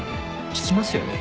引きますよね。